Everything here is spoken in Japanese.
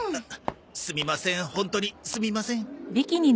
すみませんホントにすみません。